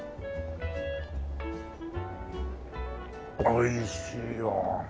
おいしいよ！